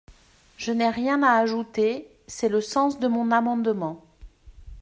» Je n’ai rien à ajouter : c’est le sens de mon amendement.